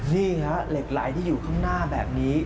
นี่ฮะเหล็กไหลที่อยู่ข้างหน้าแบบนี้